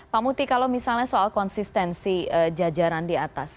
pak muti kalau misalnya soal konsistensi jajaran di atas